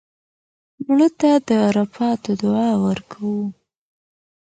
مړه ته د عرفاتو دعا ورکوو